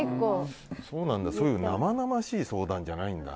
そういう生々しい相談じゃないんだ。